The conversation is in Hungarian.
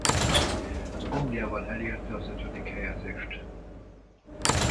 Angliában elérte a ötödik helyezést.